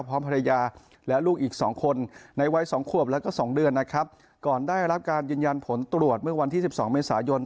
พร้อมภรรยาและลูกอีกสองคนในวัยสองขวบแล้วก็๒เดือนนะครับก่อนได้รับการยืนยันผลตรวจเมื่อวันที่สิบสองเมษายน